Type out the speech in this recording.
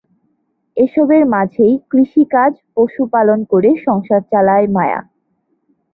এসবের মাঝেই কৃষিকাজ, পশুপালন করে সংসার চালায় মায়া।